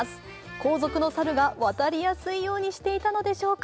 後続の猿が渡りやすいようにしていたのでしょうか。